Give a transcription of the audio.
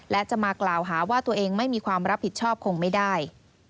และจะมากล่าวหาว่าตัวเองไม่มีความรับผิดชอบคงไม่ได้